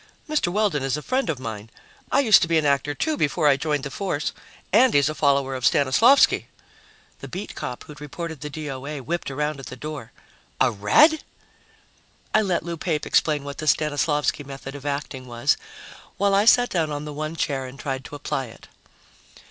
"Mr. Weldon is a friend of mine I used to be an actor, too, before I joined the force and he's a follower of Stanislavsky." The beat cop who'd reported the D.O.A. whipped around at the door. "A Red?" I let Lou Pape explain what the Stanislavsky method of acting was, while I sat down on the one chair and tried to apply it.